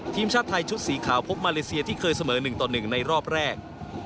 ทีมชาติไทยชุดสีขาวพบมาเลเซียที่เคยเสมอ๑ต่อ๑ในรอบแรก